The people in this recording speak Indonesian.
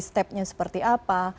stepnya seperti apa